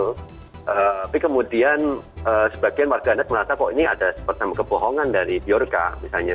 tapi kemudian sebagian warganet merasa kok ini ada seperti kebohongan dari biorca misalnya